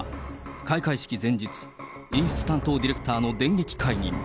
開会式前日、演出担当ディレクターの電撃解任。